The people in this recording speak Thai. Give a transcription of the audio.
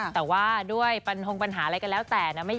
แต่ว่าด้วยปันทงปัญหาอะไรก็แล้วแต่นะ